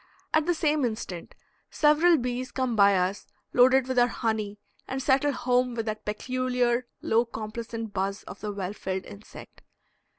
At the same instant several bees come by us loaded with our honey and settle home with that peculiar low complacent buzz of the well filled insect.